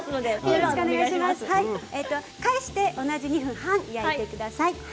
返して同じ２分半焼いてください。